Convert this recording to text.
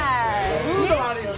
ムードはあるよね。